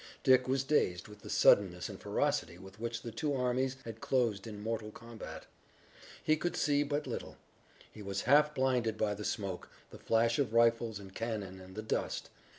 Dick was dazed with the suddenness and ferocity with which the two armies had closed in mortal combat. He could see but little. He was half blinded by the smoke, the flash of rifles and cannon and the dust.